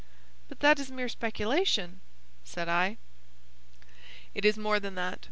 "But that is mere speculation," said I. "It is more than that.